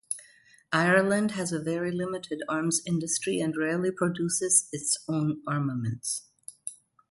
Ireland has a very limited arms industry and rarely produces its own armaments.